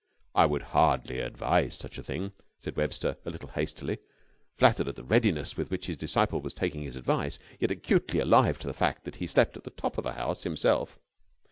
"I would hardly advise such a thing," said Webster, a little hastily flattered at the readiness with which his disciple was taking his advice, yet acutely alive to the fact that he slept at the top of the house himself.